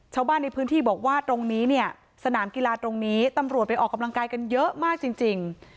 ชาวบ้านในพื้นที่บอกว่าตรงนี้เนี่ยสนามกีฬาตรงนี้ตำรวจไปออกกำลังกายกันเยอะมากจริง